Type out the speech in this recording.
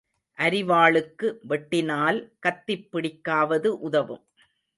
அரிவாளுக்கு வெட்டினால் கத்திப் பிடிக்காவது உதவும்.